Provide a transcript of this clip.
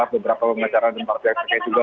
beberapa pengacara di tempat terkait juga